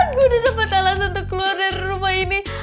aku udah dapat alasan untuk keluar dari rumah ini